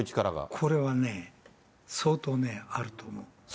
これはね、相当ね、あると思う。